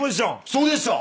そうですよ。